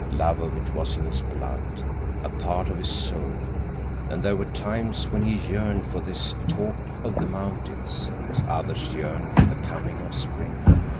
Love of it was in his blood, a part of his soul, and there were times when he yearned for this "talk of the mountains" as others yearn for the coming of spring.